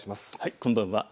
こんばんは。